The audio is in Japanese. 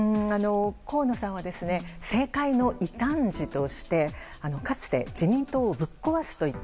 河野さんは政界の異端児としてかつて自民党をぶっ壊すと言って